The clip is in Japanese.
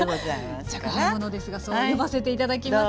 若輩者ですがそう呼ばせて頂きます。